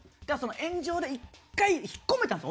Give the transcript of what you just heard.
炎上で１回引っ込めたんですよ。